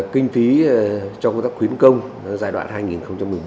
kinh phí cho công tác khuyến công giai đoạn hai nghìn một mươi bốn hai nghìn hai mươi